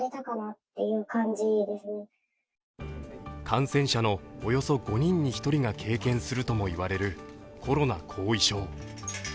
感染者のおよそ５人に１人が経験するともいわれるコロナ後遺症。